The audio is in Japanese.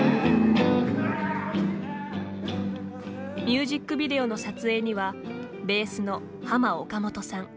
ミュージックビデオの撮影にはベースのハマ・オカモトさん